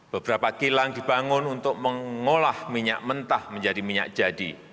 beberapa kilang dibangun untuk mengolah minyak mentah menjadi minyak jadi